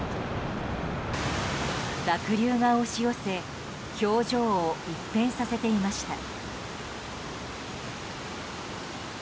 濁流が押し寄せ表情を一変させていました。